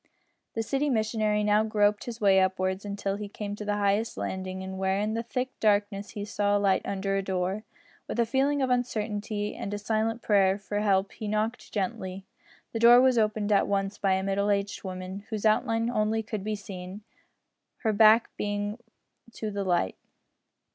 The city missionary now groped his way upwards until he came to the highest landing, where in the thick darkness he saw a light under a door. With a feeling of uncertainty and a silent prayer for help he knocked gently. The door was opened at once by a middle aged woman, whose outline only could be seen, her back being to the light.